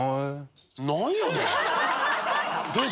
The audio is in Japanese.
何やねん！